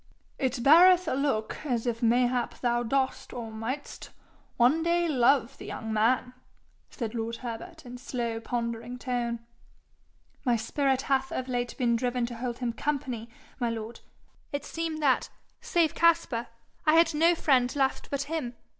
'It beareth a look as if mayhap thou dost or mightst one day love the young man!' said lord Herbert in slow pondering tone. 'My spirit hath of late been driven to hold him company, my lord. It seemed that, save Caspar, I had no friend left but him.